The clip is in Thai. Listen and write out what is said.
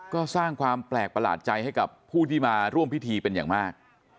ก็สร้างความแปลกประหลาดใจให้กับผู้ที่มาร่วมพิธีเป็นอย่างมาก